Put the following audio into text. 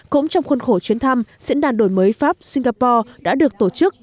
cũng trong khuôn khổ chuyến thăm diễn đàn đổi mới pháp singapore đã được tổ chức